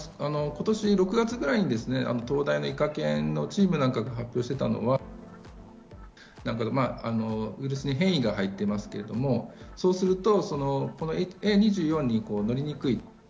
今年６月ぐらいに東大の医科研のチームなどが研究していたのは、ウイルスに変異が入っていますけどＡ２４に乗りにくい。